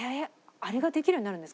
あれができるようになるんですか？